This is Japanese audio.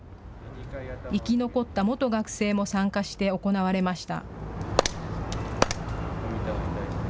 生き残った元学生も参加して行われました。